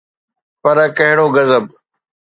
پر ڪهڙو غضب.